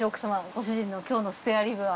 ご主人の今日のスペアリブは。